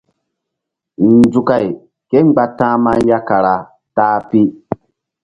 Nzukay kémgba ta̧hma ya kara ta-a pi.